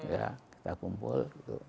ya kita kumpul